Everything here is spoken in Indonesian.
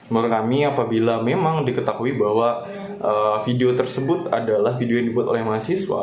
menurut kami apabila memang diketahui bahwa video tersebut adalah video yang dibuat oleh mahasiswa